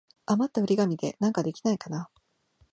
あまった折り紙でなんかできないかな。